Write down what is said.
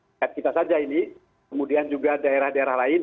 dekat kita saja ini kemudian juga daerah daerah lain